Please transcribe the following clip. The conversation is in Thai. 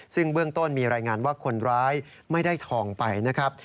ซึ่งเบื้องต้นมีรายงานว่าคนร้ายไม่ได้ทองไปนะครับ